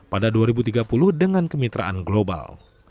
pada dua ribu tiga puluh dengan kemitraan global